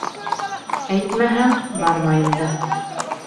— Әйтмәһәң, бармайым да...